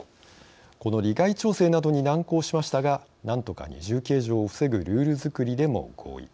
この利害調整などに難航しましたがなんとか二重計上を防ぐルール作りでも合意。